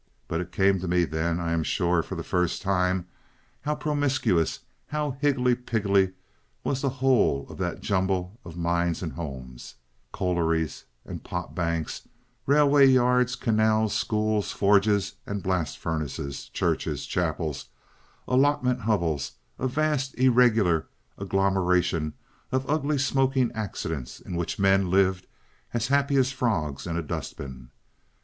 But it came to me then, I am sure, for the first time, how promiscuous, how higgledy piggledy was the whole of that jumble of mines and homes, collieries and potbanks, railway yards, canals, schools, forges and blast furnaces, churches, chapels, allotment hovels, a vast irregular agglomeration of ugly smoking accidents in which men lived as happy as frogs in a dustbin.